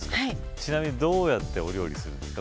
ちなみにどうやってお料理するんですか？